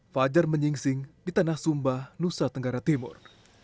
fajar menyingsing di tanah sumba nusa tenggara timur